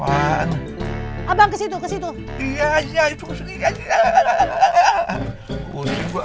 abang ke situ ke situ